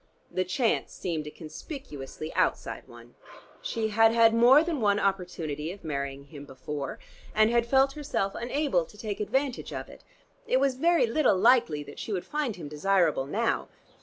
The chance seemed a conspicuously outside one. She had had more than one opportunity of marrying him before, and had felt herself unable to take advantage of it: it was very little likely that she would find him desirable now.